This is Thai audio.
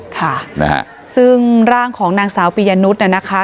ค่ะซึ่งร่างของนางสาวปิญญนุษย์เนี่ยนะคะ